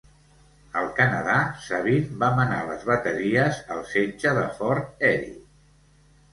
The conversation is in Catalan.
Al Canadà, Sabine va manar les bateries al setge de Fort Erie.